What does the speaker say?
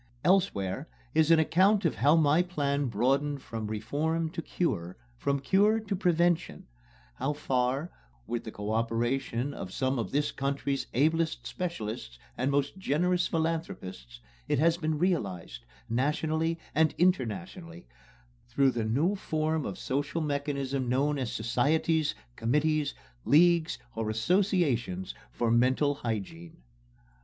Elsewhere is an account of how my plan broadened from reform to cure, from cure to prevention how far, with the co operation of some of this country's ablest specialists and most generous philanthropists, it has been realized, nationally and internationally, through the new form of social mechanism known as societies, committees, leagues or associations for mental hygiene.